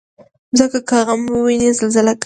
مځکه که غم وویني، زلزله کوي.